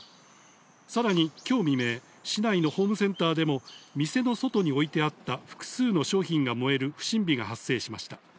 さらにきょう未明、市内のホームセンターでも店の外に置いてあった複数の商品が燃える不審火が発生しました。